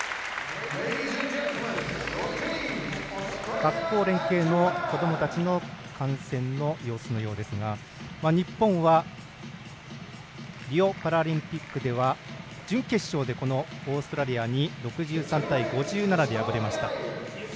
学校連携の子どもたちの観戦の様子のようですが日本はリオパラリンピックでは準決勝でこのオーストラリアに６３対５７で敗れました。